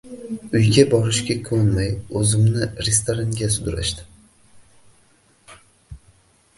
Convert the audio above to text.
Uyga borishga ko‘nmay, o‘zimni restoranga sudrashdi.